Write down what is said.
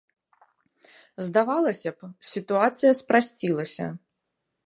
Здавалася б, сітуацыя спрасцілася.